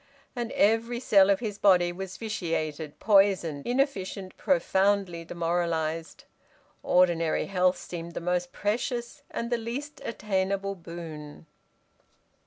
And every cell of his body was vitiated, poisoned, inefficient, profoundly demoralised. Ordinary health seemed the most precious and the least attainable boon.